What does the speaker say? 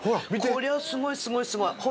こりゃすごいすごいすごい！ね